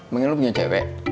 mungkin lo punya cewek